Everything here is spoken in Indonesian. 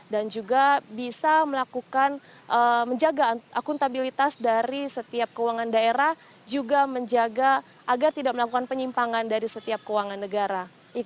dan juga bisa melakukan menjaga akuntabilitas dari setiap keuangan daerah juga menjaga agar tidak melakukan penyimpangan dari setiap keuangan negara